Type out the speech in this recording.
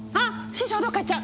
師匠どっか行っちゃう！